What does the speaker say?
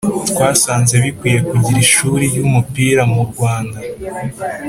twasanze bikwiye kugira ishuli ry’umupira mu Rwanda